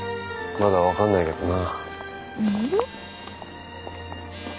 まだ分かんないけどな。